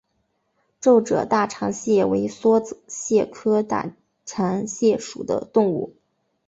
皱褶大蟾蟹为梭子蟹科大蟾蟹属的动物。